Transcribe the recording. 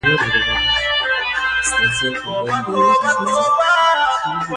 د بانکي حساب امنیتي کوډ یوازې له مالیک سره وي.